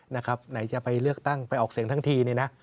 ไหนจะไปเลือกตั้งไปออกเสียงทั้งทีเนี่ยนะ